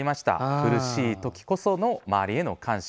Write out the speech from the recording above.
苦しい時こその周りへの感謝。